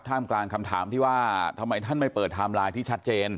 กลางคำถามที่ว่าทำไมท่านไม่เปิดไทม์ไลน์ที่ชัดเจน